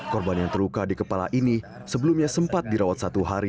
korban yang terluka di kepala ini sebelumnya sempat dirawat satu hari